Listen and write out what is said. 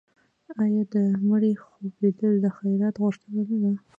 آیا د مړي خوب لیدل د خیرات غوښتنه نه ده؟